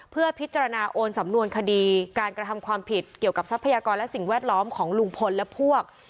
เพื่อพิจารณาโอนสำนวนคดีการกระทำความผิดเกี่ยวกับทรัพยากรและสิ่งแวดล้อมของลุงพลและพวก